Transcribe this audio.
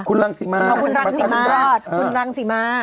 คุณมัดพระธรรมราช